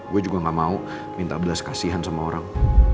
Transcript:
gue juga gak mau minta belas kasihan sama orang